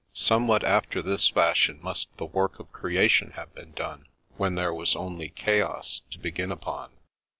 Somewhat after this fashion must the work of Creation have been done, when there was only Chaos to begin upon.